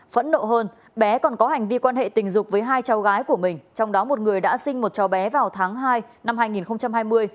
phẫn nộ hơn bé còn có hành vi quan hệ tình dục với hai cháu gái của mình trong đó một người đã sinh một cháu bé vào tháng hai năm hai nghìn hai mươi